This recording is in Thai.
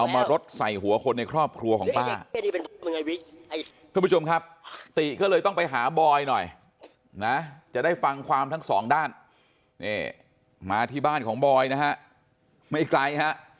มาที่บ้านของบอยนะไม่ไกลค่ะ